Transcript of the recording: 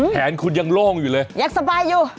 แขนคุณยังโล่งอยู่เลยยังสบายอยู่